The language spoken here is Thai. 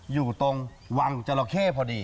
อยู่ตรงวังจราเข้พอดี